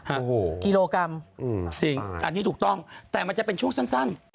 โอ้โฮคิโลกรัมอันนี้ถูกต้องแต่มันจะเป็นช่วงสั้น